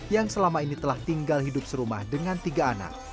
yang selama ini telah tinggal hidup serumah dengan tiga anak